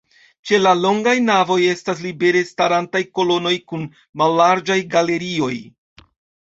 Ĉe la longaj navoj estas libere starantaj kolonoj kun mallarĝaj galerioj.